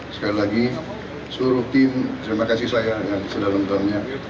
sekali lagi seluruh tim terima kasih saya dan sedalam tahunnya